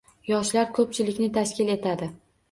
Yoshlar koʻpchilikni tashkil etadi